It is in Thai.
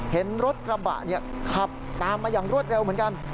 เห็นรถกระบะขับตามมาอย่างรวดเร็วเหมือนกัน